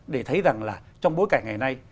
để thấy rằng là trong bối cảnh ngày nay